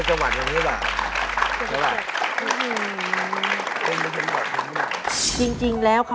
ถูก